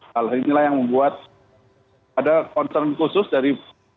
hal inilah yang membuat ada concern khusus dari